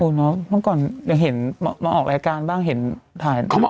เนี้ยโอ้เนอะเมื่อก่อนยังเห็นมามาออกรายการบ้างเห็นถ่ายเขามา